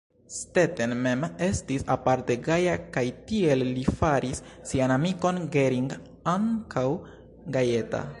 Stetten mem estis aparte gaja kaj tiel li faris sian amikon Gering ankaŭ gajeta.